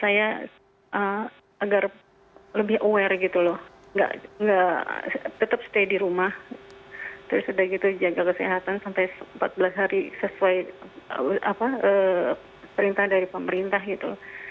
saya dirumah untuk menjaga kesehatan agar lebih awal gitu loh tetap tetap di rumah terus sudah gitu jaga kesehatan sampai empat belas hari sesuai apa perintah dari pemerintah gitu